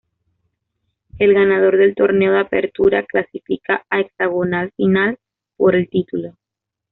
El ganador del torneo de Apertura clasifica a hexagonal final por el título.